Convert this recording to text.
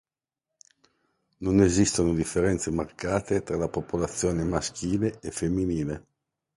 Non esistono differenze marcate tra la popolazione maschile e femminile.